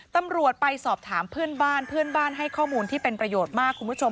ตำรวจไปสอบถามเพื่อนบ้านเพื่อนบ้านให้ข้อมูลที่เป็นประโยชน์มากคุณผู้ชม